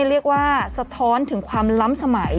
เรียกว่าสะท้อนถึงความล้ำสมัย